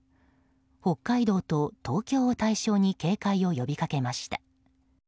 北海道と東京を対象に警戒を呼びかけました。